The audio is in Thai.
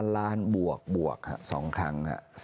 ๓ล้านบวกดูบ่งสองครั้ง